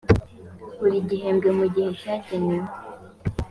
buri gihembwe mu gihe cyagenewe